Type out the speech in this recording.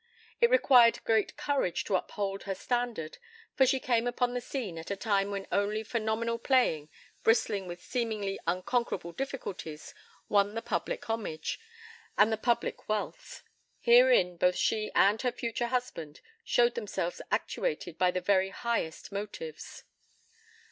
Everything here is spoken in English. It required great courage to uphold her standard, for she came upon the scene at a time when only phenomenal playing, bristling with seemingly unconquerable difficulties, won the public homage and the public wealth. Herein both she and her future husband showed themselves actuated by the very highest motives.